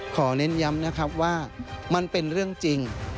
เน้นย้ำนะครับว่ามันเป็นเรื่องจริง